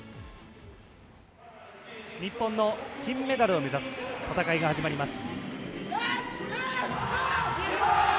日本の金メダルを目指す戦いが始まります。